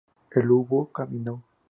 él hubo comido